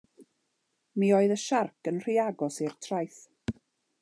Mi oedd y siarc yn rhy agos i'r traeth.